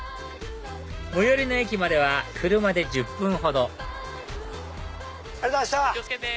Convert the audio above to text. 最寄りの駅までは車で１０分ほどありがとうございました！